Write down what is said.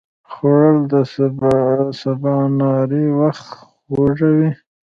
خوړل د سباناري وخت خوږوي